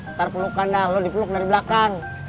ntar pelukan dah lo dipeluk dari belakang